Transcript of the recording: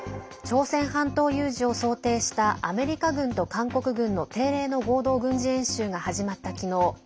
朝鮮半島有事を想定したアメリカ軍と韓国軍の定例の合同軍事演習が始まったきのう